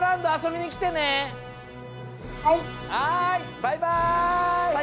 バイバイ！